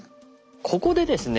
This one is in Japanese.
ここでですね